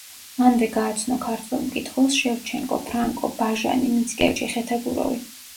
მანვე გააცნო ქართველ მკითხველს შევჩენკო, ფრანკო, ბაჟანი, მიცკევიჩი, ხეთაგუროვი.